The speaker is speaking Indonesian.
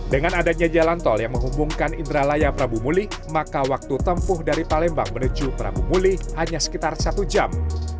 dengan adanya jalan tol yang menghubungkan indralaya prabu mulih maka waktu tempuh dari palembang menuju prabu mulih hanya sekitar satu jam